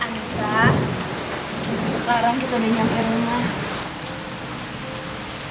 anusa sekarang kita sudah nyamper rumah